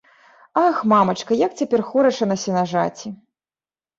Ах, мамачка, як цяпер хораша на сенажаці!